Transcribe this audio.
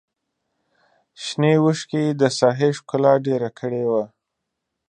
شنې وښکې د ساحې ښکلا ډېره کړې وه.